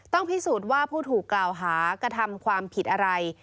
พิสูจน์ว่าผู้ถูกกล่าวหากระทำความผิดอะไร